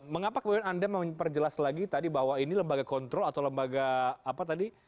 mengapa kemudian anda memperjelas lagi tadi bahwa ini lembaga kontrol atau lembaga apa tadi